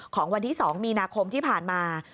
ของวันที่๒มีนาคมที่ผ่านมา